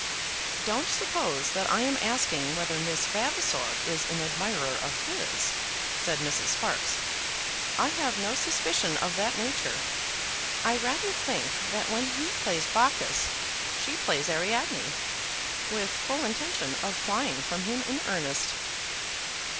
"Don't suppose that I am asking whether Miss Vavasor is an admirer of his," said Mrs. Sparkes. "I have no suspicion of that nature. I rather think that when he plays Bacchus she plays Ariadne, with full intention of flying from him in earnest."